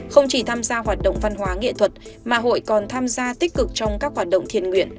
không chỉ tham gia hoạt động văn hóa nghệ thuật mà hội còn tham gia tích cực trong các hoạt động thiện nguyện